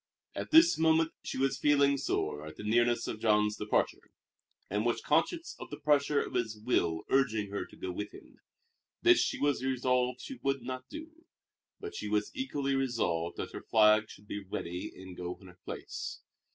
At this moment she was feeling sore at the nearness of Jean's departure, and was conscious of the pressure of his will urging her to go with him. This she was resolved she would not do; but she was equally resolved that her flag should be ready and go in her place.